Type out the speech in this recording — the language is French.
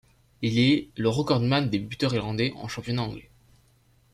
Il est le recordman des buteurs irlandais en championnat anglais.